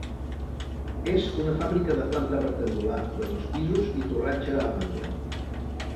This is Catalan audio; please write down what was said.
És una fàbrica de planta rectangular, de dos pisos i torratxa a l'angle.